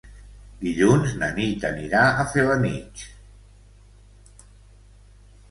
Dilluns na Nit anirà a Felanitx.